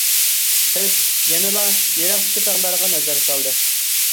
قىز يەنىلا يىراقتىكى تاغلارغا نەزەر سالدى.